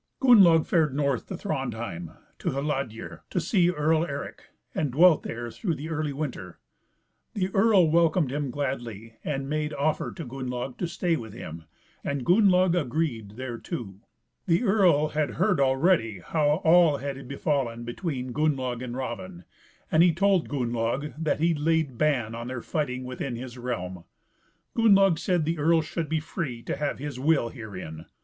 Gunnlaug fared north to Thrandheim, to Hladir, to see Earl Eric, and dwelt there through the early winter; the earl welcomed him gladly, and made offer to Gunnlaug to stay with him, and Gunnlaug agreed thereto. The earl had heard already how all had befallen between Gunnlaug and Raven, and he told Gunnlaug that he laid ban on their fighting within his realm; Gunnlaug said the earl should be free to have his will herein.